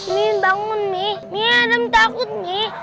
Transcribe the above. mi bangun mi mi ada yang takut mi